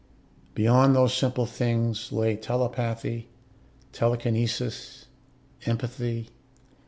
Beyond those simple things lay telepathy, telekinesis, empathy....